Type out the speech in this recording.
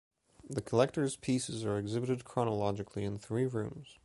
The collector's pieces are exhibited chronologically in three rooms.